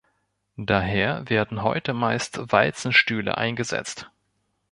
Daher werden heute meist Walzenstühle eingesetzt.